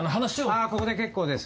あぁここで結構です。